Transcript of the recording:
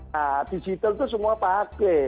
nah digital itu semua pakai